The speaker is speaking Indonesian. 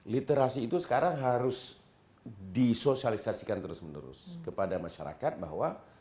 literasi itu sekarang harus disosialisasikan terus menerus kepada masyarakat bahwa